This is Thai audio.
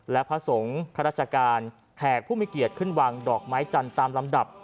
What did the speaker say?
และพระสงฆ์ข้าราชการแขกผู้มีเกียรติขึ้นวางดอกไม้จันทร์ตามลำดับ